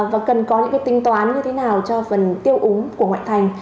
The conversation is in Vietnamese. và cần có những cái tinh toán như thế nào cho phần tiêu úng của ngoại thành